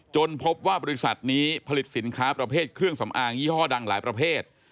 พบว่าบริษัทนี้ผลิตสินค้าประเภทเครื่องสำอางยี่ห้อดังหลายประเภท